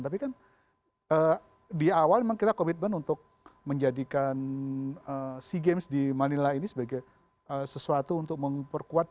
tapi kan di awal memang kita komitmen untuk menjadikan sea games di manila ini sebagai sesuatu untuk memperkuat